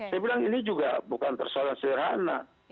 saya bilang ini juga bukan persoalan sederhana